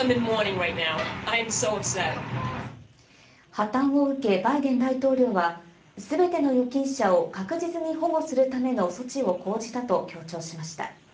破綻を受け、バイデン大統領はすべての預金者を確実に保護するための措置を講じたと強調しました。